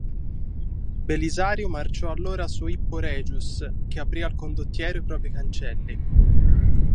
Belisario marciò allora su Hippo Regius, che aprì al condottiero i propri cancelli.